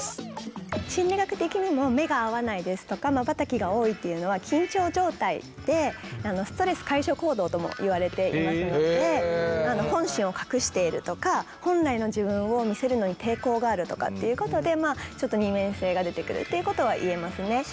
心理学的にも目が合わないですとかまばたきが多いっていうのは緊張状態でストレス解消行動ともいわれていますので本心を隠しているとか本来の自分を見せるのに抵抗があるとかっていうことでちょっと二面性がでてくるっていうことはいえますね。